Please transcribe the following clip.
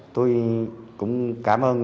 tôi cũng cảm ơn